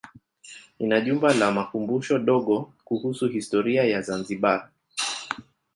Ina jumba la makumbusho dogo kuhusu historia ya Zanzibar.